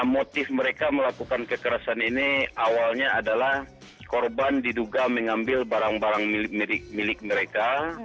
motif mereka melakukan kekerasan ini awalnya adalah korban diduga mengambil barang barang milik mereka